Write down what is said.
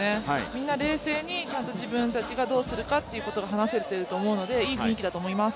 みんな冷静にちゃんと自分たちがどうするかを話せていると思うのでいい雰囲気だと思います。